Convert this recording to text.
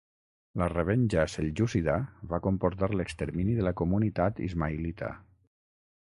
La revenja seljúcida va comportar l'extermini de la comunitat ismaïlita.